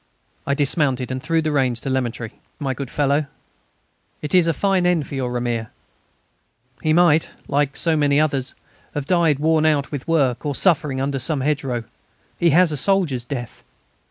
I dismounted and threw the reins to Lemaître: "Don't grieve, my good fellow; it is a fine end for your 'Ramier.' He might, like so many others, have died worn out with work or suffering under some hedgerow. He has a soldier's death.